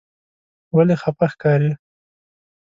ولې خپه ښکارې؟